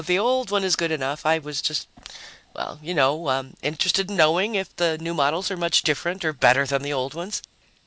The the old one is good enough. I was just well, you know, interested in knowing if the new models are much different or better than the old ones."